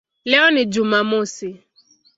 Leo ni Jumamosi".